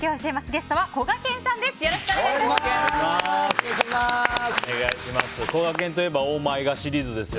ゲストはこがけんさんです。